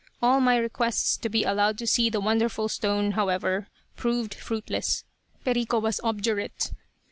All my requests to be allowed to see the wonderful stone, however, proved fruitless, Perico was obdurate.